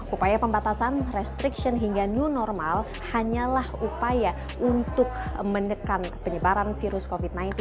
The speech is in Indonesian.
upaya pembatasan restriction hingga new normal hanyalah upaya untuk menekan penyebaran virus covid sembilan belas